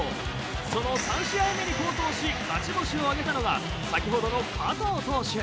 その３試合目に好投し勝ち星を挙げたのが先ほどの加藤投手。